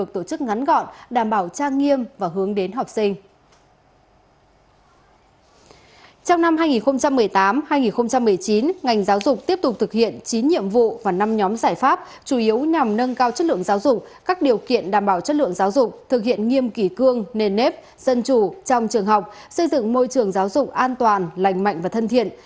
trong năm hai nghìn một mươi tám hai nghìn một mươi chín ngành giáo dục tiếp tục thực hiện chín nhiệm vụ và năm nhóm giải pháp chủ yếu nhằm nâng cao chất lượng giáo dục các điều kiện đảm bảo chất lượng giáo dục thực hiện nghiêm kỳ cương nền nếp dân chủ trong trường học xây dựng môi trường giáo dục an toàn lành mạnh và thân thiện